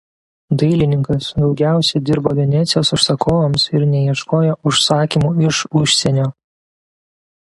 Dailininkas daugiausia dirbo Venecijos užsakovams ir neieškojo užsakymų iš užsienio.